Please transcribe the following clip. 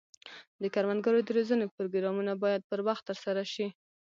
د کروندګرو د روزنې پروګرامونه باید پر وخت ترسره شي.